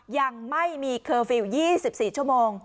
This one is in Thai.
ยังไม่มีเคอร์ฟิลล์๒๔ชั่วโมง